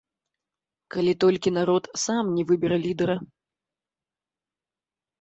Калі толькі народ сам не выбера лідэра.